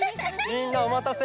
みんなおまたせ！